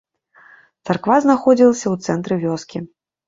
Царква знаходзілася ў цэнтры вёскі.